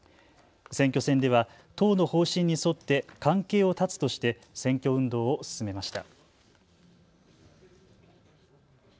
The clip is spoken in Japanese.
選挙戦では、党の方針に沿って関係を絶つとして選挙運動を進めました。